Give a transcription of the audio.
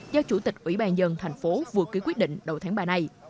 do chủ tịch ủy ban dân tp hcm vừa ký quyết định đầu tháng ba này